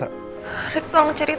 aku tahu kalau